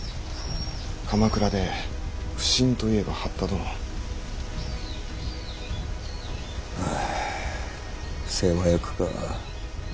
鎌倉で普請といえば八田殿。ああ世話役か。